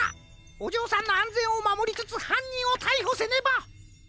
おじょうさんのあんぜんをまもりつつはんにんをたいほせねば！